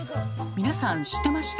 皆さん知ってました？